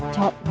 chọn nguyện vui